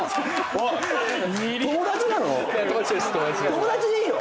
友達でいいの？